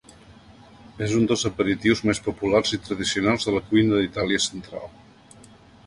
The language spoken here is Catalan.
És un dels aperitius més populars i tradicionals de la cuina d’Itàlia central.